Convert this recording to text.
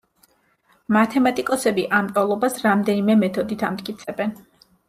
მათემატიკოსები ამ ტოლობას რამდენიმე მეთოდით ამტკიცებენ.